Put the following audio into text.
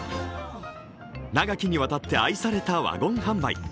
長きにわたって愛されたワゴン販売。